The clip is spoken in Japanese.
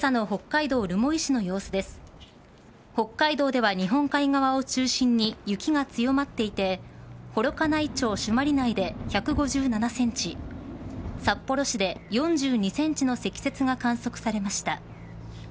北海道では日本海側を中心に雪が強まっていて幌加内町朱鞠内で１５７ｃｍ札幌市で４２ｃｍの積雪が観測されました。